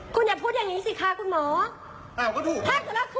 คุณอย่าพูดอย่างนี้สิคะคุณหมอ